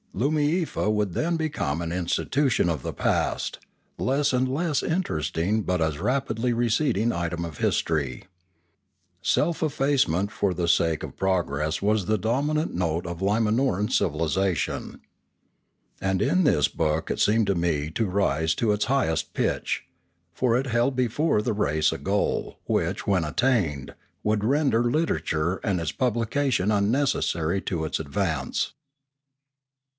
Loomiefa would then become an institution of the past, less and less interesting as but a rapidly receding item of history. Self effacement for the sake of progress was the dominant note of Iyimanoran civilisation. And in this book it seemed to me to rise to its highest pitch; for it held before the race a goal, which, when attained, would render literature and its publication unnecessary to its advance.